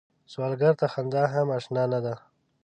سوالګر ته خندا هم اشنا نه ده